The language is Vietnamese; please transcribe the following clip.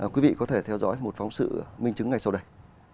quý vị có thể theo dõi một phóng sự minh chứng ngay sau đây